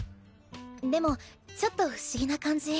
でもちょっと不思議な感じ。